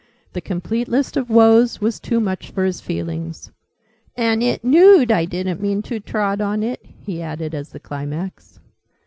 The complete list of woes was too much for his feelings. "And it knewed I didn't mean to trod on it!" he added, as the climax.